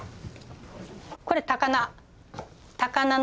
これ高菜。